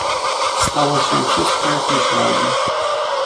"Stało się wszystko, jak myślałem."